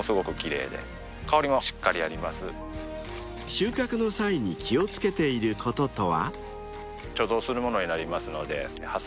［収穫の際に気を付けていることとは？］